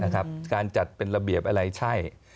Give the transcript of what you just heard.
การจัดเป็นระเบียบอะไรใช่